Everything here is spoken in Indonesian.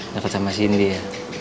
deket sama si ini ya